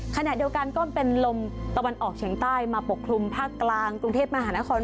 ขณะเดียวกันก็เป็นลมตะวันออกเฉียงใต้มาปกคลุมภาคกลางกรุงเทพมหานคร